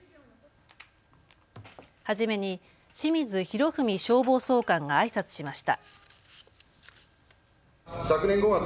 初めに清水洋文消防総監があいさつしました。